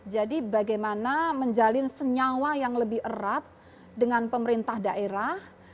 jadi bagaimana menjalin senyawa yang lebih erat dengan pemerintah daerah